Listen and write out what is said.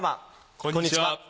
こんにちは。